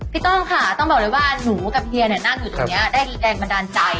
ต้องค่ะต้องบอกเลยว่าหนูกับเฮียเนี่ยนั่งอยู่ตรงนี้ได้แรงบันดาลใจ